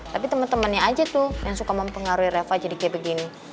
tapi teman temannya aja tuh yang suka mempengaruhi reva jadi kayak begini